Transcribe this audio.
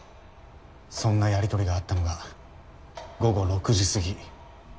そんなやり取りがあったのが午後６時過ぎ。